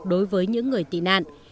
đối với những người tị nạn